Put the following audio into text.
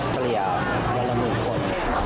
สริยาวอย่างละหมดคน